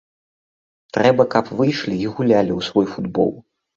Трэба, каб выйшлі і гулялі у свой футбол.